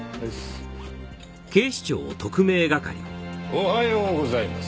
おはようございます。